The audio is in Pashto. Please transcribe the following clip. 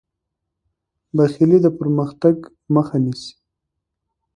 بخیلي د پرمختګ مخه نیسي.